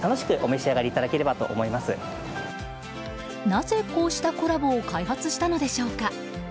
なぜ、こうしたコラボを開発したのでしょうか。